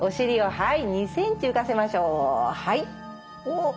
はい。